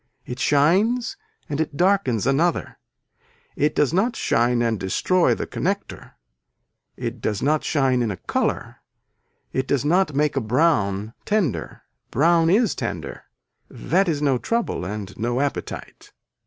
It shines and it darkens another, it does not shine and destroy the connector, it does not shine in a color, it does not make a brown tender. Brown is tender, that is no trouble and no appetite.